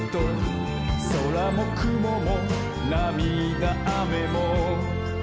「そらもくももなみだあめも」